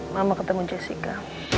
mama ketemu jessica